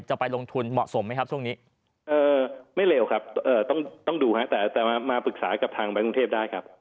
จะไปลงทุนเหมาะสมไหมครับช่วงนี้ไม่เร็วครับต้องดูครับแต่มาปรึกษากับทางไปกรุงเทพได้ครับ